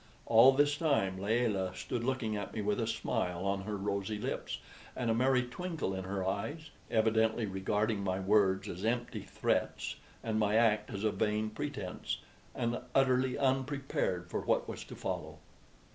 All this time Layelah stood looking at me with a smile on her rosy lips and a merry twinkle in her eyes evidently regarding my words as empty threats and my act as a vain pretence, and utterly unprepared for what was to follow.